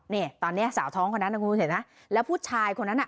นี่ตอนเนี้ยสาวท้องคนนั้นนะคุณเห็นไหมแล้วผู้ชายคนนั้นน่ะ